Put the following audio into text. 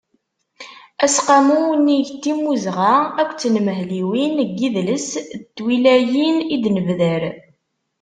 Aseqqamu unnig n timmuzɣa akked tenmehliwin n yidles n twilayin i d-nebder.